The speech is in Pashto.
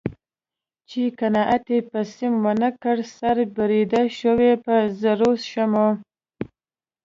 چې قناعت یې په سیم و نه کړ سر بریده شوه په زرو شمع